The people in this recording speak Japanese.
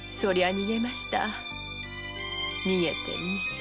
逃げて逃げて。